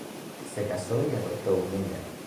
Se casó y adoptó un niño.